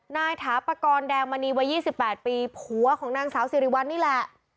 ถาปกรณ์แดงมณีวัย๒๘ปีผัวของนางสาวสิริวัลนี่แหละ